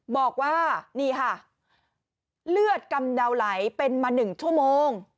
บอกว่านี่ค่ะเลือดกำเดาไหลเป็นมา๑ชั่วโมง